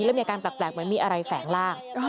เพื่อไม่มีการแปลกมีอะไรแฝงล่าง